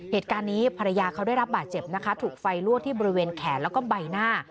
เหตุการณ์นี้ภรรยาเขาได้รับบาดเจ็บนะคะถูกไฟลวกที่บริเวณแขนแล้วก็ใบหน้า